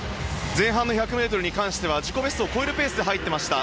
前半の１００ｍに関しては自己ベストを超えるペースで入っていました。